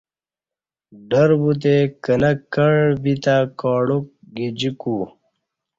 ڈربوتے کنک کع بیتہ کاڈک گجیکو